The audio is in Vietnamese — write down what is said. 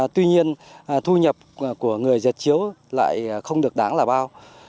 tuy nhiên thu nhập của người giật chiếu lại không được đáng là bao